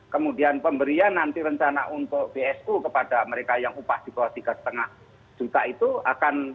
kemudian pemberian nanti rencana untuk bsu kepada mereka yang upah di bawah tiga lima juta itu akan